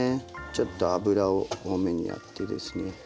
ちょっと油を多めにやってですね。